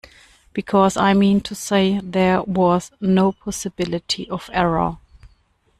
Because, I mean to say, there was no possibility of error.